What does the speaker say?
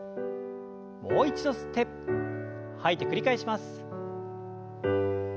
もう一度吸って吐いて繰り返します。